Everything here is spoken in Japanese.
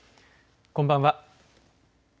こんばんは。